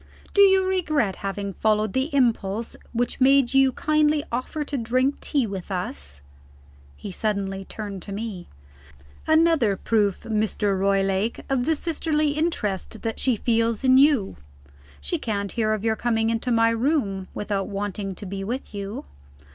Do you regret having followed the impulse which made you kindly offer to drink tea with us?" He suddenly turned to me. "Another proof, Mr. Roylake, of the sisterly interest that she feels in you; she can't hear of your coming to my room, without wanting to be with you.